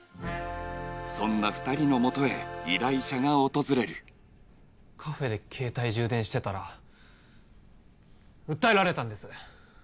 そんな２人のもとへ依頼者が訪れるカフェで携帯充電してたら訴えられたんです